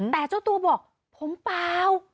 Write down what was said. แต่เจ้าตัวบอกผมเปล่า